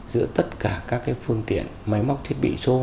giữa tất cả các phương tiện máy móc thiết bị xô